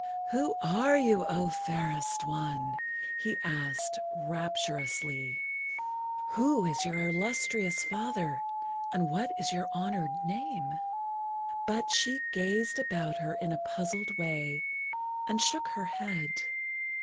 "Who are you, O fairest one?" he asked rapturously. "Who is your illustrious father and what is your honored name?" But she gazed about her in a puzzled way and shook her head.